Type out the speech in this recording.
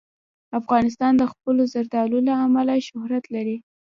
افغانستان د خپلو زردالو له امله شهرت لري.